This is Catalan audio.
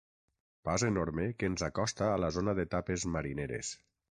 Pas enorme que ens acosta a la zona de tapes marineres.